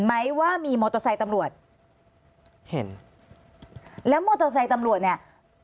ไหมว่ามีมอเตอร์ไซค์ตำรวจเห็นแล้วมอเตอร์ไซค์ตำรวจเนี่ย